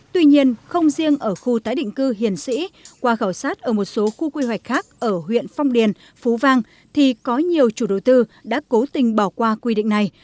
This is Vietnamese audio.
tuy nhiên không riêng ở khu tái định cư hiền sĩ qua khảo sát ở một số khu quy hoạch khác ở huyện phong điền phú vang thì có nhiều chủ đầu tư đã cố tình bỏ qua quy định này